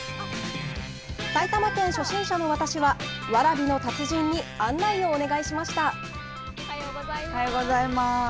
埼玉県初心者の私は、蕨の達人に案内をお願いしました。